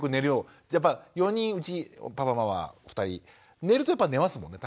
やっぱ４人うちパパママ２人寝るとやっぱ寝ますもんね